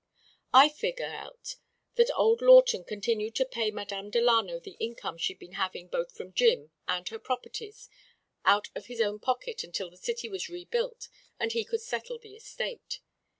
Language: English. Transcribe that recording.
"I figger out that old Lawton continued to pay Madame Delano the income she'd been havin' both from Jim and her properties, out of his own pocket, until the city was rebuilt and he could settle the estate.